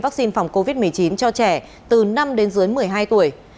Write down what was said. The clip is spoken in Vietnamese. vaccine phòng covid một mươi chín cho trẻ từ năm đến dưới một mươi hai tuổi